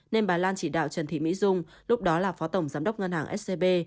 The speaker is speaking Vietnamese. nên bà lan chỉ đạo trần thị mỹ dung lúc đó là phó tổng giám đốc ngân hàng scb